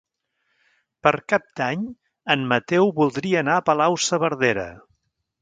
Per Cap d'Any en Mateu voldria anar a Palau-saverdera.